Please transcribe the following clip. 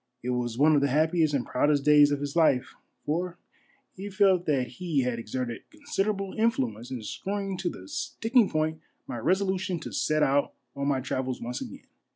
It was one of the happiest and proudest days of his life, for he felt that he had exerted considerable influence in screwing to the sticking point my resolution to set out on my travels once again.